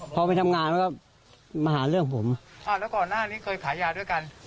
พอไปทำงานมันก็มาหาเรื่องผมอ้าวแล้วก่อนหน้านี้เคยขายยาด้วยกัน